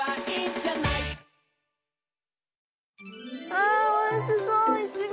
あおいしそう！